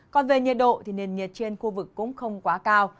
còn về nhiệt độ thì nền nhiệt trên khu vực cũng không quá cao